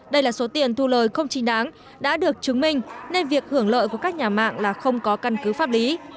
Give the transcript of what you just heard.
đây là số tiền thu lời không chính đáng đã được chứng minh nên việc hưởng lợi của các nhà mạng là không có căn cứ pháp lý